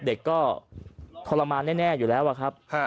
เด็กก็ทรมานแน่อยู่แล้วอะครับ